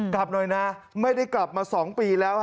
กลับหน่อยนะไม่ได้กลับมา๒ปีแล้ว